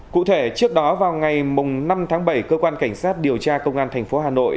cụ thể trước đó vào ngày năm tháng bảy cơ quan cảnh sát điều tra công an tp hà nội